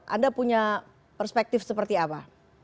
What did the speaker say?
anda punya perspektif seperti apa